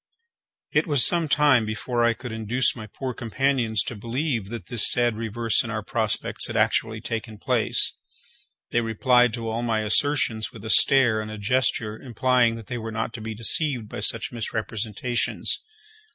It was some time before I could induce my poor companions to believe that this sad reverse in our prospects had actually taken place. They replied to all my assertions with a stare and a gesture implying that they were not to be deceived by such misrepresentations.